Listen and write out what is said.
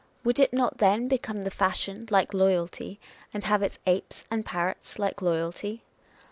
Would it not then become the fashion, like loyalty, and have its apes and parrots, like loyalty?